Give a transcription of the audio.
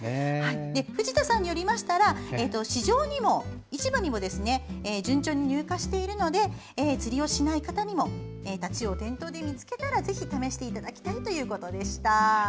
藤田さんによりますと市場にも順調に入荷しているので釣りをしない方にもタチウオ、店頭で見つけたらぜひ試していただきたいということでした。